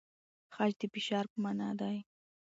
خج د فشار په مانا دی؟